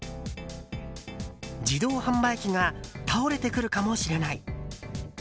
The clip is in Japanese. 自動販売機が倒れてくるかもしれない。